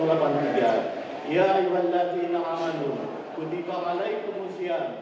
ya ayuhandati na'amalu kutipu alaikum usia